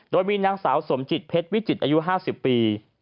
โดยมีนางสาวสมจิตเพชรวิจิตรอายุ๕๐ปี